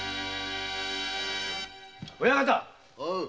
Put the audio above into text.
親方。